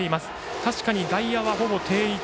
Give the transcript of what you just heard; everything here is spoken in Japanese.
確かに外野は、ほぼ定位置。